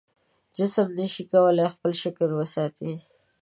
جسم نشي کولی خپل شکل وساتي.